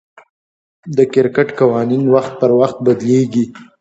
د کرکټ قوانين وخت پر وخت بدليږي.